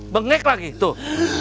bengek lagi tuh